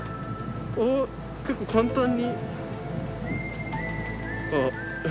あっ結構簡単に。